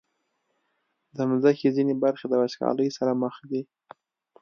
د مځکې ځینې برخې د وچکالۍ سره مخ دي.